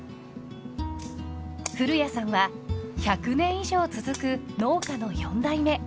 古谷さんは１００年以上続く農家の４代目。